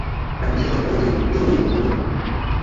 তাকে বিশ্বাস করতে পারি, সে জলদিই এটা করবে।